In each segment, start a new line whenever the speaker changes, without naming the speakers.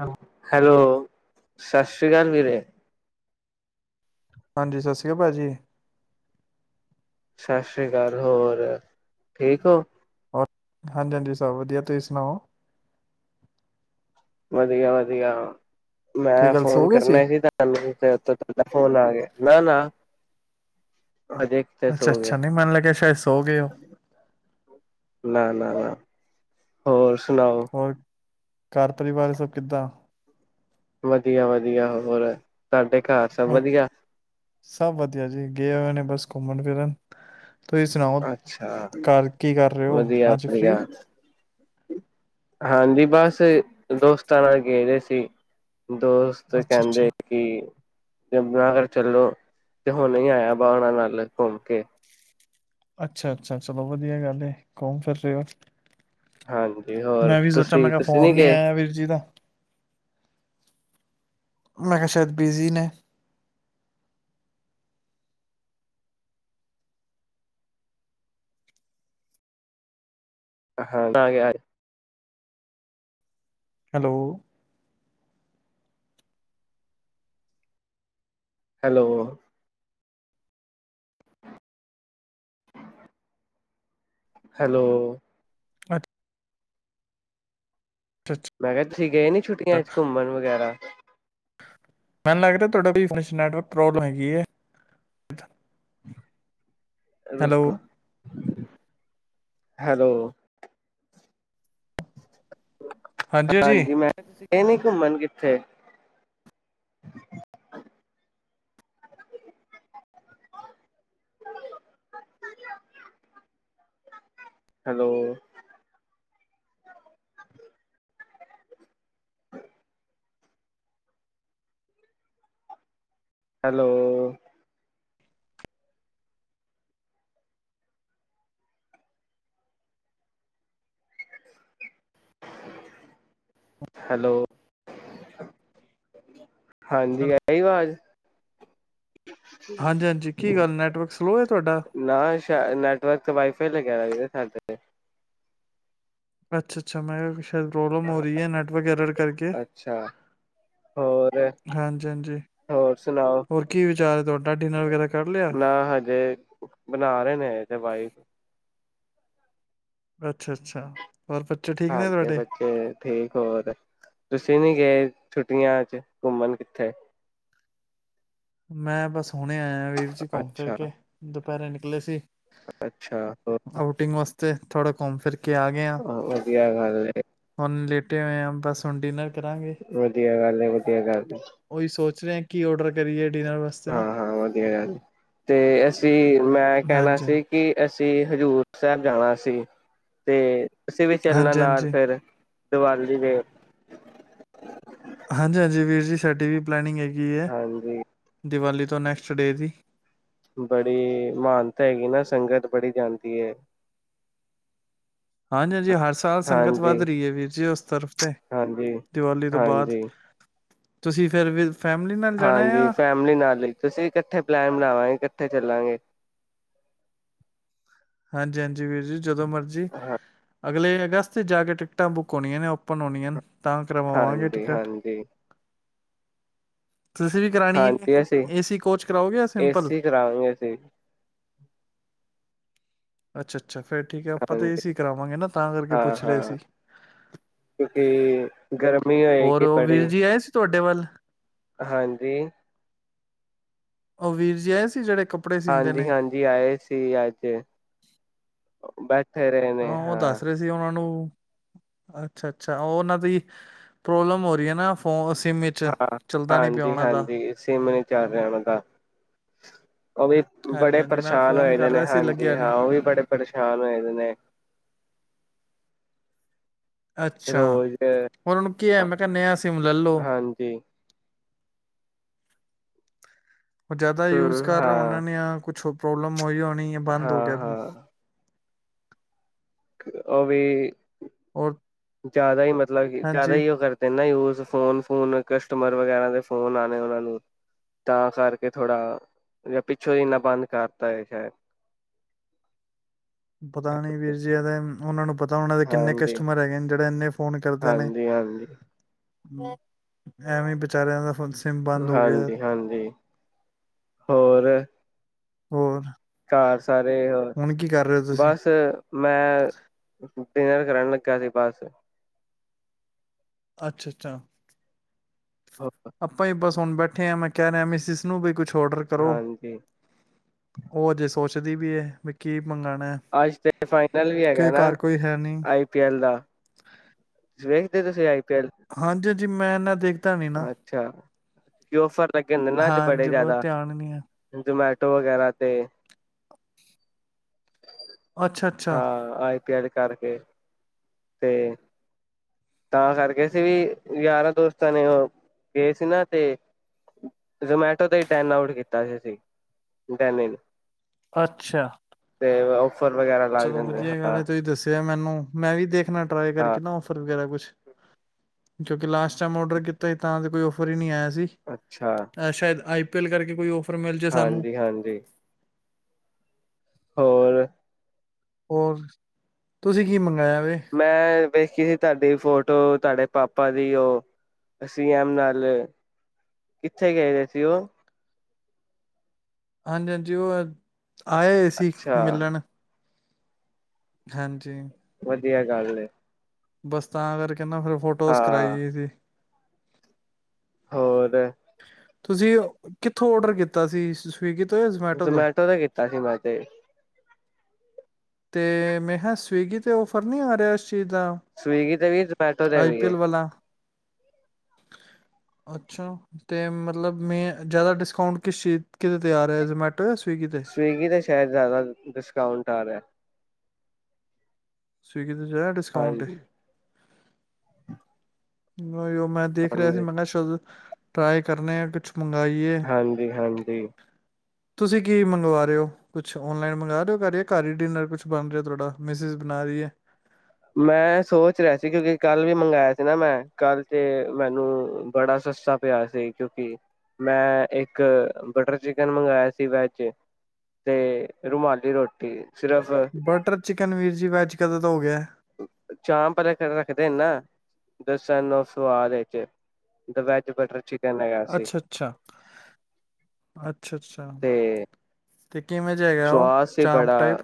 Hello.
Hello. ਸਤਿ ਸ਼੍ਰੀ ਅਕਾਲ ਵੀਰੇ।
ਹਾਂਜੀ, ਸਤਿ ਸ੍ਰੀ ਅਕਾਲ ਪਾਜੀ।
ਸਤਿ ਸ਼੍ਰੀ ਅਕਾਲ, ਹੋਰ ਠੀਕ ਹੋ?
ਹਾਂਜੀ, ਹਾਂਜੀ, ਸਭ ਵਧੀਆ। ਤੁਸੀਂ ਸੁਣਾਓ?
ਵਧੀਆ-ਵਧੀਆ।
ਕੀ
ਮੈਂ
ਗੱਲ
ਫੋਨ
ਸੋ ਗਏ ਸੀ
ਕਰਨਾ ਵੀ ਤੁਹਾਨੂੰ ਫੋਨ ਆ ਗਿਆ ਨਾ, ਨਾ।
ਅੱਛਾ-ਅੱਛਾ। ਨਹੀਂ ਮੰਨ ਲੱਗਿਆ ਸ਼ਾਇਦ ਸੋ ਗਏ ਹੋ।
ਨਾ-ਨਾ-ਨਾ ਹੋਰ ਸੁਣਾਓ।
ਹੋਰ ਘਰ ਪਰਿਵਾਰ ਸਭ ਕਿੱਦਾਂ
ਵਧੀਆ-ਵਧੀਆ, ਹੋਰ ਤੁਹਾਡੇ ਘਰ ਸਭ
ਹੋਰ
ਵਧੀਆ?
ਸਭ ਵਧੀਆ ਜੀ ਗਏ ਹੋਏ ਨੇ ਬਸ ਘੁੰਮਣ ਫਿਰਨ ਤੁਸੀਂ ਸੁਣਾਓ
ਅੱਛਾ
ਘਰ ਕੀ ਕਰ ਰਹੇ ਹੋ ਅੱਜ ਫ੍ਰੀ?
ਵਧੀਆ-ਵਧੀਆ ਹਾਂਜੀ, ਬਸ ਦੋਸਤਾਂ ਨਾਲ ਗਏ ਦੇ ਸੀ ਦੋਸਤ
ਅੱਛਾ
ਕਹਿੰਦੇ
ਅੱਛਾ
ਕਿ ਯਮੁਨਾ ਨਗਰ ਚੱਲੋ, ਤੇ ਹੁਣ ਹੀਂ ਆਇਆ ਵਾ ਉਹਨਾਂ ਨਾਲ ਘੁੰਮ ਕੇ।
ਅੱਛਾ-ਅੱਛਾ, ਚਲੋ ਵਧੀਆ ਗੱਲ ਘੁੰਮ ਫਿਰ ਰਹੇ ਹੋ।
ਹਾਂਜੀ ਹੋਰ
ਮੈਂ ਵੀ ਸੋਚਿਆ ਮੈਂ
ਤੁਸੀਂ
ਕਿਹਾ
ਤੁਸੀਂ
ਫੋਨ
ਨੀ ਗਏ।
ਆਇਆ ਵੀਰ ਜੀ ਦਾ ਮੇ ਕਿਹਾ ਸ਼ਾਇਦ ਬਿਜ਼ੀ ਨੇ।
ਹਾਂ [inaudible]
ਹੈਲੋ।
ਹੈਲੋ। ਹੈਲੋ।
ਅ
ਮੈਂ ਕਿਹਾ ਤੁਸੀਂ ਗਏ ਨੀ ਛੁੱਟੀਆਂ ਚ
ਅੱਛਾ
ਘੁੰਮਣ ਵਗੈਰਾ।
ਮੈਨੂੰ ਲੱਗਦਾ ਤੁਹਾਡਾ ਵੀ ਵਿਚ ਨੈਟਵਰਕ ਪ੍ਰੋਬਲਮ ਹੈਗੀ ਏ।
ਰੁੱਕ ਹੈਲੋ। ਹਾਂਜੀ ਮੈਂ ਗਏੇ ਨੀ ਘੁੰਮਣ ਕਿੱਥੇ। ਹੈਲੋ। ਹੈਲੋ। [unintelligible] ਹੈਲੋ। [inaudible] ਹਾਂਜੀ ਆਈ ਆਵਾਜ਼।
ਹਾਂਜੀ-ਹਾਂਜੀ ਕੀ ਗੱਲ ਨੈਟਵਰਕ ਸਲੋ ਹੈ ਤੁਹਾਡਾ?
ਨਾ ਸ਼ਾ ਨੈਟਵਰਕ ਵਾਈਫਾਈ ਲੱਗਿਆ ਦਾ ਵੇ। ਹੈਗੇ ਨੇ
ਅੱਛਾ-ਅੱਛਾ ਮੈਂ ਕੁਛ ਪ੍ਰੋਬਲਮ ਹੋ ਰਹੀ ਹੈ ਨੈਟਵਰਕ ਐਰਰ ਕਰਕੇ
ਅੱਛਾ ਹੋਰ
ਹਾਂਜੀ-ਹਾਂਜੀ
ਹੋਰ ਸੁਣਾਓ
ਹੋਰ ਕੀ ਵਿਚਾਰ ਹੈ ਤੁਹਾਡਾ ਡਿਨਰ ਵਗੈਰਾ ਕਰ ਲਿਆ।
ਨਾ ਹਜੇ ਬਣਾ ਰਹੇ ਨੇ ਤੇ ਵਾਈਫ
ਅੱਛਾ-ਅੱਛਾ। ਹੋਰ ਬੱਚੇ ਠੀਕ ਨੇ
ਹਾਂਜੀ
ਤੁਹਾਡੇ?
ਬੱਚੇ ਠੀਕ ਹੋਰ ਤੁਸੀਂ ਨੀ ਗਏ ਛੁੱਟੀਆਂ ਚ ਘੁੰਮਣ ਕਿੱਥੇ।
ਮੈਂ ਬਸ ਹੁਣੇ ਆਏ ਆ ਵੀਰ ਜੀ ਘੁੰਮ ਫਿਰ
ਅੱਛਾ
ਕੇ ਦੁਪਹਿਰੇ ਨਿਕਲੇ ਸੀ
ਅੱਛਾ
ਆਊਟਿੰਗ ਵਾਸਤੇ। ਥੋੜਾ ਘੁੰਮ ਫਿਰ ਕੇ ਆ ਗਏ ਹਾਂ
ਆਹੋ ਵਧੀਆ ਗੱਲ ਐ।
ਟੂਟੇ ਹੋਏ ਆਂ, ਬਸ ਹੁਣ ਡਿਨਰ ਕਰਾਂਗੇ
ਵਧੀਆ ਗੱਲ ਹੈ, ਵਧੀਆ ਗੱਲ ਹੈ।
ਸਨੈਕ ਕੀ ਔਡਰ ਕਰੀਏ ਡਿਨਰ ਵਾਸਤੇ
ਹਾਂ
ਨਾ
ਹਾਂ ਵਧੀਆ ਏ ਤੇ ਤੀ ਮੈਂ ਕਹਿਣਾ
ਹਾਂਜੀ
ਸੀ ਕਿ ਐੱਸ ਤੇ ਹਜ਼ੂਰ ਸਾਹਿਬ ਜਾਣਾ ਸੀ ਤੇ ਅਸੀਂ ਵੀ ਚੱਲਣਾ ਨਾਲ
ਹਾਂਜੀ-ਹਾਂਜੀ,
ਫਿਰ ਦੀਵਾਲੀ ਦੇ
ਹਾਂਜੀ ਹਾਂਜੀ ਵੀਰ ਜੀ ਸਾਡੀ ਵੀ ਪਲੈਨਿੰਗ ਹੈਗੀ। ਕਿ ਏ,
ਹਾਂਜੀ
ਦੀਵਾਲੀ ਤੋਂ ਤ ਨੈਕਸਟ ਡੇ ਦੀ
ਬੜੀ ਮਹਾਨਤਾ ਹੈਗੀ ਨਾ ਸੰਗਤ ਬੜੀ ਜਾਂਦੀ ਹੈ।
ਹਾਂਜੀ ਹਾਂਜੀ ਹ ਸਾ ਸਾਧ ਸਾਦ ਸੰਗਤ
ਹਾਂਜੀ
ਵੱਧ ਰਹੀ ਹੈ। ਵੀਰ ਜੀ ਉਸ ਤਰਫ਼ ਤੇ
ਹਾਂਜੀ
ਦੀਵਾਲੀ ਤੋਂ ਬਾਅਦ
ਹਾਂਜੀ
ਤੁਸੀਂ ਫੇਿਰ ਵੀ ਫੈਮਿਲੀ ਨਾਲ ਜਾਣਾ
ਹਾਂਜੀ
ਆ
ਫੈਮਿਲੀ ਨਾਲ ਹੀ ਤੁਸੀਂ ਇਕੱਠੇ ਪਲੈਨ ਬਣਾਵਾਂਗੇ। ਕਿੱਥੇ ਚੱਲਾਂਗੇ।
ਹਾਂਜੀ ਹਾਂਜੀ ਵੀਰ ਜੀ ਜਦੋਂ ਮਰਜ਼ੀ
ਹਾਂ
ਅਗਲੇ ਅਗਸਤ ' ਜਾ ਕੇ ਟਿਕਟਾਂ ਬੁੱਕ ਹੋਣੀਆਂ ਨੇ ਓਪਨ ਹੋਣੀਆਂ। ਤਾਂ ਕਰਵਾਵਾਂਗੇ
ਹਾਂਜੀ
ਟਿਕਟ
ਹਾਂਜੀ
ਤੁਸੀਂ ਵੀ ਕਰਾਣੀ ਹੈ
ਹਾਂਜੀ ਅਸੀਂ
ਏਸੀ ਕੋਚ ਕਰਾਓਗੇ ਸਿੰਪਲ
ਏਸੀ ਕਰਾਵਾਂਗੇ ਅਸੀਂ
ਅੱਛਾ, ਅੱਛਾ ਅੱਛਾ ਫੇਿਰ ਠੀਕ ਹੈ ਆਪਾਂ ਤਾਂ ਇਹ
ਹਾਂਜੀ
ਸੀ ਕਰਾਵਾਂਗੇ ਨਾ ਤਾਂ ਕਰਕੇ
ਹਾਂ
ਪੁੱਛ ਰਹੇ
ਹਾਂ
ਸੀ
ਕਿਉਂਕਿ ਗਰਮੀ
ਹੋਰ
ਹੋਏਗੀ ਬੜੀ
ਵੀਰ ਜੀ ਆਏ ਸੀ ਤੁਹਾਡੇ ਵੱਲ [inaudible]
ਹਾਂਜੀ
ਉਹ ਵੀਰ ਜੀ ਆਏ ਸੀ ਜਿਹੜੇ ਕੱਪੜੇ ਸੀਂਦੇ
ਹਾਂਜੀ
ਨੇ
ਹਾਂਜੀ ਆਏ ਸੀ ਅਜ ਬੈਠ
ਹਾਂ ਉਹ ਦੱਸ ਰਹੇ ਸੀ ਉਹਨਾਂ ਨੂੰ ਅੱਛਾ ਅੱਛਾ ਉਹਨਾਂ ਦੀ ਪ੍ਰੋਬਲਮ ਹੋ ਰਹੀ ਹੈ। ਨਾ ਫੋਨ ਸਿਮ ਵਿੱਚ
ਹਾਂ
ਚੱਲਦਾ ਨੀ ਪਿਆ
ਹਾਂਜੀ
ਉਹਨਾਂ ਦਾ
ਹਾਂਜੀ ਸਿਮ ਨਹੀਂ ਚੱਲ ਰਿਹਾ ਉਹ ਦਾ ਉਹ ਵੀ
ਹਾਂਜੀ
ਬੜੇ
ਹਾਂਜੀ ਮੈਂ
ਪਰੇਸ਼ਾਨ
ਫੋਨ
ਹੋਏ ਦੇ
ਕਰ
ਨੇ
ਰਿਹਾ ਸੀ
ਹਾਂਜੀ
ਲੱਗਿਆ ਨਹੀਂ
ਹਾਂ ਉਹ ਵੀ ਬੜੇ ਪਰੇਸ਼ਾਨ ਹੋਏ ਨੇ
ਅੱਛਾ
ਰੋਜ਼
ਹੋਰ ਉਹਨੂੰ ਕੀ ਹੈ। ਮੈਂ ਕਿਹਾ ਨਹਾ ਸਿਮ ਲੈ ਲਓ
ਹਾਂਜੀ
ਉਹ ਜ਼ਿਆਦਾ ਯੂਜ
ਹਮ
ਕਰ ਰਹੇ ਉਹਨਾਂ
ਹਾਂ
ਨੇ ਜਾਂ ਕੁਛ ਪ੍ਰੋਬਲਮ ਹੋਈ ਨਹੀਂ ਹੈ। ਬੰਦ ਹੋ
ਹਾਂ
ਗਿਆ
ਅਵੇ
ਔਰ
ਜ਼ਿਆਦਾ ਹੀ ਮਤਲਬ ਮਤਲਬ ਕਿ ਜ਼ਿਆਦਾ
ਹਾਂਜੀ
ਹੀ ਉਹ ਕਰਦੇ ਨਾ ਯੂਜ਼ ਫੋਨ ਫੋਨ ਕਸਟਮਰ ਵਗੈਰਾ ਦੇ ਫੋਨ ਆਣੇ ਉਹਨਾ ਨੂੰ ਤਾਂ ਕਰਕੇ ਥੋੜਾ ਜਾਂ ਪਿੱਛੋਂ ਇਨਾ ਬੰਦ ਕਰਤਾ ਹੈ ਸ਼ਾਇਦ
ਪਤਾ ਨੀ ਵੀਰ ਜੀ ਇਹਦੇ ਉਹਨਾਂ ਨੂੰ ਪਤਾ ਉਹਨਾਂ ਦੇ ਕਿੰਨੇ
ਹਾਂਜੀ,
ਕਸਟਮਰ ਹੈਗੇ ਨੇ ਜਿਹੜਾ ਇਨੇ
ਹਾਂਜੀ, ਹਾਂਜੀ।
ਐਵੇਂ ਬੀਚਾਰਿਆਂ ਦਾ ਫੂਨਸ
ਹਾਂਜੀ, ਹਾਂਜੀ ਹੋਰ।
ਹੋਰ।
ਘਰ ਸਾਰੇ ਹੋਰ
ਹੁਣ ਕੀ ਕਰ ਰਹੇ ਹੋ ਤੁਸੀਂ
ਬਸ ਮੈਂ ਡਿਨਰ ਕਰਨ ਲਗਾ ਸੀ ਬਸ।
ਅੱਛ, ਅੱਛਾ। ਆਪਾਂ ਹੀ ਬਸ ਹੁਨ ਬੈਠੇ ਆ ਮੈਂ ਕਹਿ ਰਿਹਾ ਮਿਸੀਸ ਨੂੰ ਵੀ ਕੁਛ ਓਡਰ ਕਰੋ
ਹਾਂਜੀ,
ਹੋਰ ਜੇ ਸੋਚ [unintelligible] ਵੀ ਏ। [unintelligible]
ਅੱਜ ਤੇ ਫਾਈਨਲ ਵੀ ਹੈਗਾ
ਕਿ
ਏ ਨਾ
ਘਰ ਕੋਈ ਹੈ ਨਹੀਂ
ਆਈ ਪੀ ਐਲ ਦਾ। ਤੁਸੀ ਵੇਖਦੇ ਤੁਸੀਂ ਆਈ ਪੀ ਐਲ
ਹਾਂਜੀ। ਜੀ ਮੈਂ ਨਾ ਦੇਖ
ਅੱਛਾ। [inaudible] ਕੇ ਓਫਰ ਲੱਗੇ ਹੁੰਦੇ ਨਾ ਅੱਜ ਬੜੇ
ਹਾਂਜੀ ਬਹੁਤ
ਜਾਦਾ
ਧਿਆਨ ਨੀ ਹੈ
ਜ਼ੋਮੇ ਟੋ ਵਗੈਰਾ ਤੇ।
ਅੱਛਾ, ਅੱਛਾ।
ਪਿਆਰੀ ਕਰਕੇ ਤੇ ਤਾਂ ਕਰਕੇ ਅਸੀਂ ਵੀ ਯਾਰਾਂ ਦੋਸਤ ਕੀਤਾ ਨੇ ਓ ਗਏ ਸੀ ਨਾ ਤੇ ਜਮੈਟੋ ਤੇ ਈ ਟੈਨ ਆਊਟ ਕੀਤਾ ਸੀ ਅਸੀ ਡੈਨੀਨ।
ਅੱਛਾ
ਵਗੈਰਾ ਲੱਗ
ਚਲੋ
ਜਾਂਦੇ
ਵਧੀਆ ਗੱਲ
ਹਾਂ
ਏ ਤੁਸੀਂ ਦੱਸਿਆ ਮੈਨੂੰ। ਮੈਂ ਵੀ ਦੇਖ ਨਾ ਟਰਾਈ
ਹਾਂ
ਕਰਕੇ ਨਾ ਔਫਰ ਵਗੈਰਾ ਕੁਛ ਕਿਉਂਕਿ ਲਾਸਟ ਟਾਈਮ ਔਡਰ ਕੀਤਾਈ ਤਾਂ ਤੇ ਕੋਈ ਔਫਰ ਹੀ ਨੀ ਆਇਆ ਸ ਜੀ
ਅੱਛਾ
ਏਹ ਸ਼ਾਇਦ ਆਈ ਤਿਲ ਕਰਕੇ ਕੋਈ ਉਹ ਔਫ
ਹਾਂਜੀ, ਹਾਂਜੀ। ਹੋਰ।
ਹੋਰ, ਤੁਸੀਂ ਕੀ ਮਗਾਇਆ?
ਮੈਂ ਵੇਖੀ ਸੀ ਤੁਹਾਡੀ ਫੋਟੋ ਤੁਹਾਡੇ ਪਾਪਾ ਦੀ ਉਹ ਸੀ ਐਮ ਨਾਲ ਕਿੱਥੇ ਗਏ ਦੇ ਸੀ ਉਹ।
ਹਾਂਜੀ, ਹਾਂਜੀ ਉਹ ਆਏ ਹੋਏ ਸੀ
ਅੱਛਾ
ਮਿਲਣ। ਹਾਂਜੀ,
ਵਧੀਆ ਗੱਲ ਏ।
ਬਸ, ਤਾਂ ਕਰਕੇ ਕਿੰਨਾ ਫਿਰ ਫੋਟੋਜ਼ ਕਰਾਈ
ਹਾਂ
ਦੀ ਸੀ।
ਹੋਰ
ਤੁਸੀਂ, ਕਿੱਥੋਂ ਔਡਰ ਕੀਤਾ ਸੀ? ਤੋਂ ਜਾਂ ਜ਼ਮੈਟੋ ਤੋਂ
ਜਮੈਟੋ ਤੇ ਕੀਤਾ ਸੀ ਮੈਂ ਤੇ
ਤੇ ਮੈਂ ਕਿਹਾ ਸਵਿਗੀ ਤੇ ਔਫ਼ਰ ਨੀ ਆ ਰਿਹਾ। ਚੀਜ਼ ਦਾ
ਸਵਿਗੀ ਤੇ ਵੀ ਜਮੈਟੋ ਤੇ ਵੀ ਏ।
ਆਈਪੀਐਲ ਵਾਲਾ ਅੱਛਾ, ਤੇ ਮਤਲਬ ਮੈਂ ਜ਼ਿਆਦਾ ਡਿਸਕਾਊਂਟ ਕਿਸ ਚੀਜ਼, ਕਿਦੇ ਤੇ ਆ ਰਿਹਾ ਏ।
ਸਵਿਗੀ ਤੇ ਸ਼ਾਇਦ ਜ਼ਿਆਦਾ ਡਿਸਕਾਊਂਟ ਕਰ ਰਿਹਾ
ਸਵਿਗ ਕਿਤੇ ਜ਼ਰਾ ਡਿਸਕਾਊਂਟ ਏ।
ਹਾਂਜੀ [inaudible]
ਉਹੀਓ ਮੈਂ ਦੇਖ ਰਿਹਾ ਸੀ
ਹਾਂਜੀ
ਮੈਂ ਕਿਹਾ ਸ਼ਬਦ ਟਰਾਏ ਕਰਨੇ ਆ ਕੁੱਛ
ਹਾਂਜੀ- ਹਾਂਜੀ,
ਤੁਸੀਂ ਕੀ ਮੰਗਵਾ ਰਹੇ ਹੋ? ਕੁਛ ਓਨਲਾਈਨ ਮੰਗਵਾ ਰਹੇ ਹੋ ਘਰ, ਘਰ ਹੀ ਡਿਨਰ ਕੁਛ ਬਣ ਰਿਹਾ ਤੁਹਾਡਾ ਮਿਸਿਜ ਬਣਾ ਰਹੀ ਹੈ।
ਮੈਂ ਸੋਚ ਰਿਹਾ ਸੀ, ਕਿਉਂਕਿ ਕੱਲ ਵੀ ਮੰਗਾਇਆ ਸੀ ਨਾ ਮੈਂ ਕੱਲ ਤੇ ਮੈਨੂੰ ਬੜਾ ਸਸਤਾ ਪਿਆ ਸੀ, ਕਿਉਂਕਿ ਮੈਂ ਇੱਕ ਬਟਰ ਚਿਕਨ ਮੰਗਾਇਆ ਸੀ ਵੈਜ ਤੇ ਰੁਮਾਲੀ ਰੋਟੀ ਸਿਰਫ
ਬਟਰ ਚਿਕਨ ਵੀਰ ਜੀ ਵੈਜ ਕਦੋਂ ਤ ਹੋ ਗਿਆ।
ਚਾਂਪ ਰੱਖਦੇ ਨੇ ਨਾ ਦੱਸਣ ਨੂੰ ਸਵਾਦ ਵਿੱਚ ਦ ਵੈਜ ਬਟਰ ਚ
ਅੱਛਾ, ਅੱਛਾ, ਅੱਛਾ, ਅੱਛਾ।
ਤੇ
ਤੇ ਕਿਵੇਂ ਜ ਹੈਗਾ ਉਹ ਚਾਂਪ ਟਾਈਪ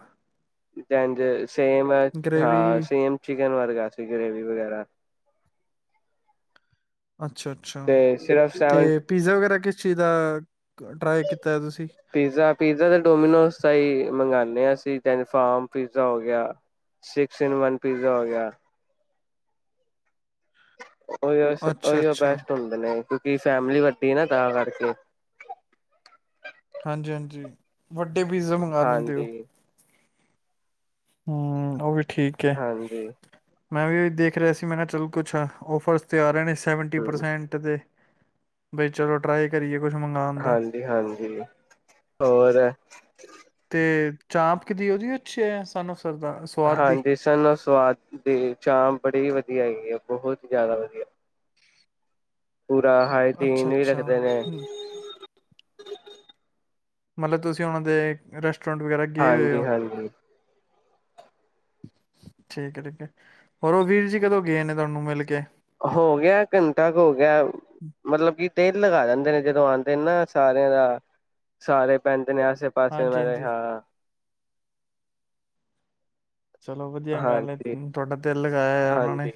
[inaudible] ਡੈਂਜਿਜ ਸੇਮ ਹੈ ਹਾਂ
ਗ੍ਰੇਵੀ
ਸੇਮ ਚੀ ਚਿਕਨ ਵਰਗਾ ਸੀ, ਗ੍ਰੇਵੀ ਵਗੈਰਾ
ਅੱਛਾ, ਅੱਛਾ
ਤੇ ਸਿਰਫ ਸੈਵਨ
ਤੇ ਪੀਜ਼ਾ ਵਗੈਰਾ ਕਿਛ ਤੀ ਦਾ ਟਰਾਈ ਕੀਤਾ ਹੈ ਤੁਸੀਂ
ਪੀਜ਼ਾ, ਪੀਜ਼ਾ ਤੇ ਡੋਮੀਨੋਸ ਦਾ ਹੀ ਮੰਗਾਲੀ। ਕਿਹਾ ਸੀ ਤੈਨੂੰ ਫਾਰਮ ਪੀਜ਼ਾ ਹੋ ਗਿਆ ਸਿਕਸ- ਇਨ- ਵਨ ਪੀਜ਼ਾ ਹੋ ਗਿਆ। ਉਹੀ ਅਸ
ਅੱਛਾ
ਉਹੀਓ
ਅੱਛਾ
ਬੈਸਟੋ ਹੁੰਦੇ ਨੇ ਕੀ ਫੈਮਿਲੀ ਵੱਡੀ ਨਾ ਤਾਂ ਕਰਕੇ
ਹਾਂਜੀ, ਹਾਂਜੀ ਵਟ ਤੇ ਪੀਜ਼ਾ ਮੰਗਵਾ ਲੈਂਦੇ ਉ।
ਹਾਂਜੀ
ਹਾਂ ਉਹ ਵੀ ਠੀਕ ਏ,
ਹਾਂਜੀ
ਮੈਂ ਵੀ ਦੇਖ ਰਿਹਾ ਸੀ ਮੈਂ ਨਾ ਚੱਲ ਕੁਛ ਔਫਰਸ ਤੇ ਆ ਰਹੇ ਨੇ ਇਸ ਸੈਵਨਟੀ ਪਰਸੈਂਟ ਦੇ ਬਈ ਚਲੋ ਟਰਾਈ ਕਰੀਏ। ਕੁਛ ਮੰਗਾਉਣ ਦਾ
ਹਾਂਜੀ -ਹਾਂਜੀ ਹੋਰ [inaudible]
ਚਾਪ ਕਿਦੀ ਉਹਦੀ ਅੱਛੀ ਐ ਸਾਨੂੰ ਸਰਦਾ ਸਵਾਦ ਦੀ
ਹਾਂਜੀ ਸਾਨੂੰ ਸਵਾਦ ਦੀ ਚਾਪ ਬੜੀ ਵਧੀ [unintelligible] ਪੂਰਾ
ਅੱਛਾ
ਹਾਈਜੀਨ ਵੀ
ਅੱਛਾ
ਰੱਖਦੇ ਨੇ।
ਹੂੰ,
[inaudible]
ਮਤਲਬ ਤੁਸੀਂ ਉਹਨਾਂ ਦੇ ਰੈਸ
ਹਾਂਜੀ- ਹਾਂਜੀ।
ਠੀਕ ਏ-ਠੀਕ ਏ ਹੋਰ ਉਹ ਵੀਰ ਜੀ ਕਦੋਂ ਗਏ ਨੇ ਤੁਹਾਨੂੰ ਮਿਲ ਕੇ।
ਹੋ ਗਿਆ, ਘੰਟਾ ਕੁ ਹ ਗਿਆ, ਮਤਲਬ ਕੀ ਤੇਲ ਲਗਾ ਦਿੰਦੇ ਨੇ। ਜਦੋਂ ਆਉਂਦੇ ਨੇ ਨਾ ਸਾਰਿਆਂ ਦਾ ਸਾਰੇ ਪਿੰ ਜਿੰਨੇ ਆਸੇ ਪਾਸੇ [unintelligible]
ਹਾਂਜੀ
ਲ ਗਏ
ਹਾਂਜੀ
ਹਾਂ।
ਚਲੋ ਵਧੀਆ ਗੱਲ
ਹਾਂਜੀ
ਤੁਹਾਡਾ ਦਿਲ ਲਗਾਇਆ ਆ ਉਹਨਾਂ ਨੇ।
ਹਾਂਜੀ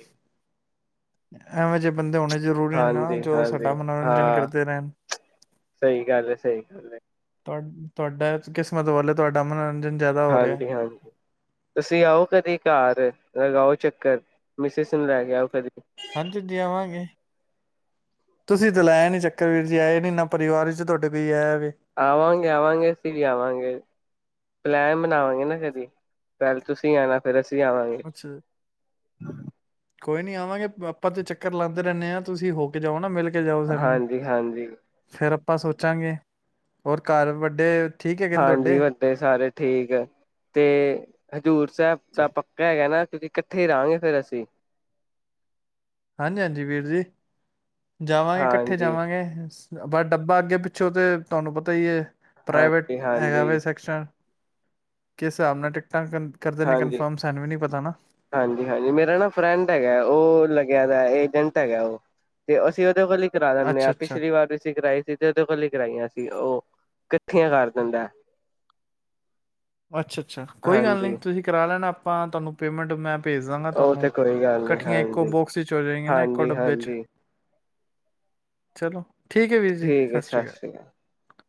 ਐਵੇਂ ਜਿਹੇ ਬੰਦੇ ਹੋਣੇ ਜ਼ਰੂਰੀ ਨੇ ਨਾ ਜੋ
ਹਾਂਜੀ-ਹਾਂਜੀ
ਸਾਡਾ ਮਨੋਰੰਜਨ
ਹਾਂ,
ਕਰਦੇ ਰਹਿਣ
[inaudible] ਸਹੀ ਗੱਲ ਏ -ਸਹੀ ਗੱਲ ਏ।
ਤੁਹਾ ਤੁਹਾਡਾ ਕਿਸਮਤ ਵੱਲੋਂ ਤੁਹਾਡਾ ਮਨੋੰ
ਹਾਂਜੀ- ਹਾਂਜੀ ਤੁਸੀਂ ਆਓ ਕਦੇ ਘਰ ਅਗਾ ਉਹ ਓ ਚੱਕਰ ਮਿਸ ਸੁ ਨੂੰ ਲੈ ਕੇ ਆਓ ਕਦੀ
ਹਾਂਜੀ ਦੇ ਆਵਾਂਗੇ ਤੁਸੀਂ ਤੇ ਲਾਇਆ ਨੀ ਚੱਕਰ ਵੀਰ ਜ ਆਏ ਨੀ ਨਾ ਪਰਿਵਾਰ 'ਚ ਤੁਹਾਡੇ ਕੋਈ ਆਇਆ। ਵੇ
ਆਵਾਂਗੇ-ਆਵਾਂਗੇ ਅਸੀ ਵੀ ਆਵਾਂਗੇ। ਪਲੈਨ ਬਣਾਵਾਂਗੇ ਨਾ ਕਦੀ ਪਹਿਲਾਂ ਤੁਸੀਂ ਆਣਾ ਫਿਰ ਅਸੀਂ। ਜੀ ਆਵਾਂਗੇ।
ਅੱਛਾ ਕੋਈ ਨੀ ਆਵਾਂਗੇ ਆਪਾਂ ਤੇ ਚੱਕਰ ਲਾਉਦੇ ਰਹਿੰਦੇ ਹਾਂ ਤੁਸੀਂ ਹੋ ਕੇ ਜਾਓ ਨਾ ਮੇਲ ਕੇ ਜਾਓ ਸਾਨੂੰ
ਹਾਂਜੀ-ਹਾਂਜੀ।
ਫੇਰ ਆਪਾਂ ਸੋਚਾਂਗੇ ਹੋਰ ਘਰ ਵੱਡੇ ਠੀਕ ਹੈਗੇ ਨੇ
ਹਾਂਜੀ
ਤੁਹਾਡੇ
ਵੱਡੇ ਸਾਰੇ ਠੀਕ ਏ, ਤੇ ਹਜ਼ੂਰ ਸਾਹਿਬ ਦਾ ਪੱਕਾ ਹੈਗਾ ਨਾ ਕਦੀ ਇਕੱਠੇ ਰਹਾਂਗੇ ਫੇਰ ਅਸੀਂ।
ਹਾਂਜੀ-ਹਾਂਜੀ ਵੀਰ ਜੀ। ਜਾਵਾਂਗੇ ਇਕੱਠੇ
ਹਾਂਜੀ
ਜਾਵਾਂਗੇ। ਪਰ ਡੱਬਾ ਅੱਗੇ ਪਿੱਛੋਂ ਤੇ ਤੁਹਾਨੂੰ ਪਤਾ ਹੀ ਏ। ਪ੍ਰਾਈਵੇਟ
ਹਾਂਜੀ ਹਾਂਜੀ
ਹੈਗਾਵੇ ਸੈਕਸ਼ਨ। ਕਿਸ ਸਾਬ ਨਾਲ ਟੀਕ
ਹਾਂਜੀ-ਹਾਂਜੀ-ਹਾਂਜੀ ਮੇਰਾ ਨਾ ਫਰੈਂਡ ਹੈਗਾ ਉਹ ਲ ਦਾ ਏਜੰਟ ਹੈਗਾ ਉਹ ਤੇ ਅਸੀਂ ਉਹਦੇ ਕੋਲ ਹੀ ਕਰਾ ਦਿੰਦੇ
ਅੱਛਾ
ਹਾਂ
ਅੱਛਾ
ਪਿਛਲੀ ਵਾਰ ਵੀ ਸੀਂ ਕਰਈ ਸੀ ਤੇ ਉਹਦੇ ਕੋਲ ਹੀ ਕਰਈਆਂ ਸੀ। ਉਹ ਇਕੱਠੀਆਂ ਕਰ ਦਿੰਦਾ ਹੈ।
ਅੱਛਾ-ਅੱਛਾ ਕੋਈ ਗੱਲ ਨਹੀਂ ਤੁਸੀਂ ਕਰਾ ਲੈਣਾ ਆਪਾਂ ਤੁਹਾਨੂੰ ਪੇਮੈਂਟ ਮੈਂ ਭੇਜ ਦਾਂਗਾ
ਉਹ
ਤੁਹਾਨੂੰ
ਤੇ ਕੋਈ ਗੱਲ ਨੀ
ਇਕੱਠੀਆਂ ਇੱਕੋ
ਹਾਂਜੀ।
ਬੋਕਸ ਚ ਹੋ ਜਾਆਂ ਨਾ ਇੱਕੋ ਡੱਬੇ ਚ।
ਹਾਂਜੀ-ਹਾਂਜੀ
ਚਲੋ। ਠੀਕ ਹੈ ਵੀਰ ਜੀ, ਸਤਿ ਸ਼੍ਰੀ ਅਕਾਲ।